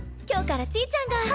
今日からちぃちゃんが。